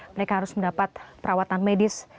mereka harus mendapat perawatan medis